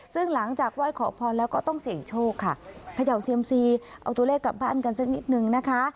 ซึ่งหลังจากไหว้ขอพรแล้วก็ต้องเสี่ยงโชคค่ะเขย่าเซียมซีเอาตัวเลขกลับบ้านกันสักนิดนึงนะคะ